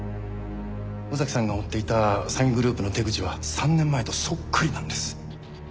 尾崎さんが追っていた詐欺グループの手口は３年前とそっくりなんです。